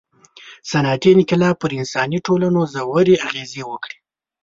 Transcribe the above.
• صنعتي انقلاب پر انساني ټولنو ژورې اغېزې وکړې.